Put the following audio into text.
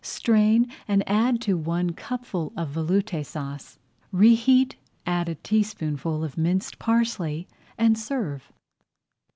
Strain, and add to one cupful of Veloute Sauce. Reheat, add a teaspoonful of minced parsley and serve.